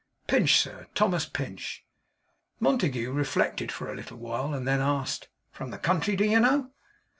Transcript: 'Pinch, sir. Thomas Pinch.' Montague reflected for a little while, and then asked: 'From the country, do you know?